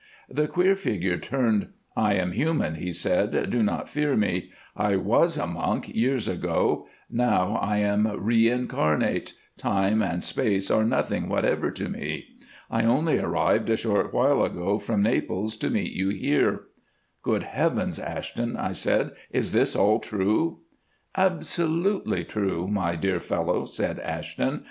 "The queer figure turned. 'I am human,' he said, 'do not fear me. I was a monk years ago, now I am reincarnate—time and space are nothing whatever to me. I only arrived a short while ago from Naples to meet you here.'" "Good heavens, Ashton," I said, "is this all true?" "Absolutely true, my dear fellow," said Ashton.